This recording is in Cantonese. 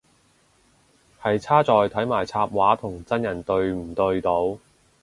係差在睇埋插畫同真人對唔對到